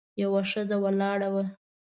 یوه ښځه ولاړه وه.